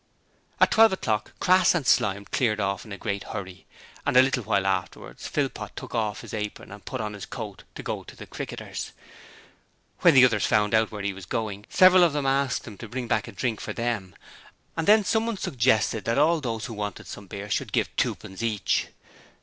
At twelve o'clock Crass and Slyme cleared off in a great hurry, and a little while afterwards, Philpot took off his apron and put on his coat to go to the 'Cricketers'. When the others found out where he was going, several of them asked him to bring back a drink for them, and then someone suggested that all those who wanted some beer should give twopence each.